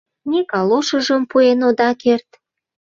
Ни калошыжым пуэн ода керт.